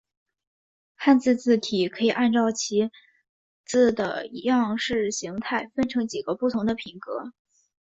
汉字字体可以按照其字的样式形态分成几个不同的风格。